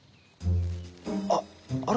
あっあら？